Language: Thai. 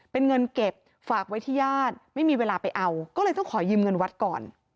เป็นเงินเก็บฝากไว้ที่ญาติไม่มีเวลาไปเอาก็เลยต้องขอยืมเงินวัดก่อน